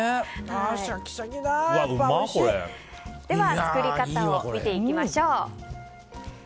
では、作り方を見ていきましょう。